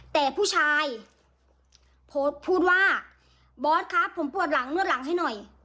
แต่ผู้ชายโพสต์พูดว่าบอสครับผมปวดหลังนวดหลังให้หน่อย